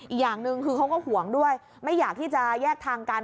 อีกอย่างหนึ่งคือเขาก็ห่วงด้วยไม่อยากที่จะแยกทางกัน